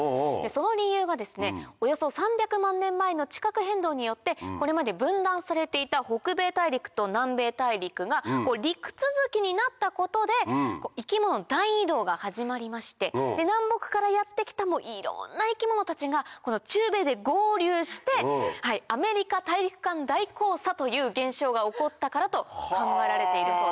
その理由がおよそ３００万年前の地殻変動によってこれまで分断されていた北米大陸と南米大陸が陸続きになったことで生き物の大移動が始まりまして南北からやって来たいろんな生き物たちがこの中米で合流して「アメリカ大陸間大交差」という現象が起こったからと考えられているそうです。